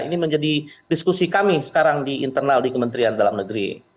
ini menjadi diskusi kami sekarang di internal di kementerian dalam negeri